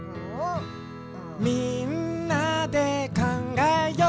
「みんなでかんがえよう」